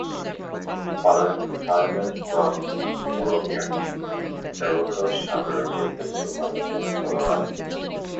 Following retirement from Moravian, the Rokkes have relocated to Monument, Colorado.